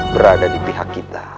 berada di pihak kita